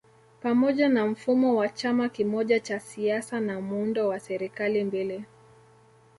Pamoja na mfumo wa chama kimoja cha siasa na muundo wa serikali mbili